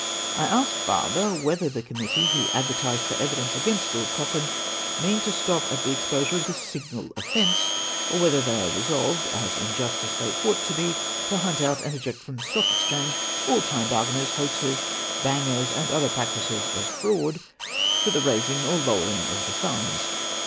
I ask farther whether the Com mittee who advertised for evidence against Lord Cochrane mean to stop at the exposure of this single offence ? or whether they are resolved, as in justice they ought to be, to hunt out and eject from the Stock Exchange all time bargainers, hoaxers, bangers, and other practisers of fraud, for the raising or lowering of the funds